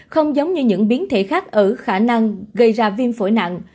không giống như những biến thể khác ở khả năng gây ra viêm phổi nặng